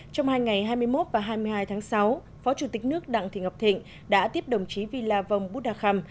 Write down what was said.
trong hai ngày hai mươi một và hai mươi hai tháng sáu phó chủ tịch nước đặng thị ngọc thịnh đã tiếp đồng chí vi la vong bú đà khăm